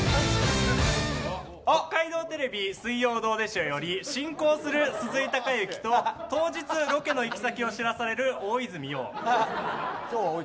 北海道テレビ「水曜どうでしょう」より進行する鈴井貴之と当日ロケの行き先を知らされる大泉洋。